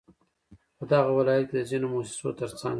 په دغه ولايت كې د ځينو مؤسسو ترڅنگ